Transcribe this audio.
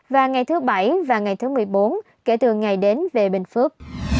và ngày thứ bảy và ngày thứ một mươi bốn kể từ ngày đến về bình phước